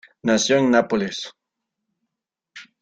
Nació en Nápoles.